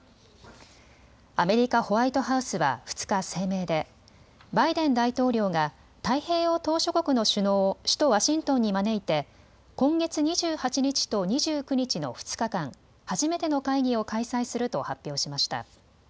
アメリカ・ホワイトハウスは２日、声明でバイデン大統領が太平洋島しょ国の首脳を首都ワシントンに招いて今月２８日と２９日の２日間、初めての会議を開催すると発表しました。